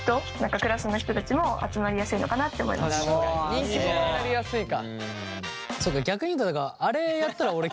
人気者になりやすいか。